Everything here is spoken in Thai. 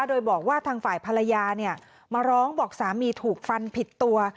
โดยบอกว่าทางฝ่ายภรรยามาร้องบอกสามีถูกฟันผิดตัว